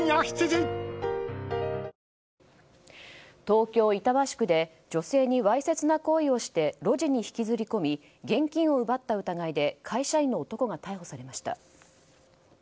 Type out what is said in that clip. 東京・板橋区で女性にわいせつな行為をして路地に引きずり込み現金を奪った疑いで会社員の男が逮捕されました。